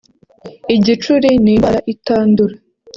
igicuri ni indwara itandura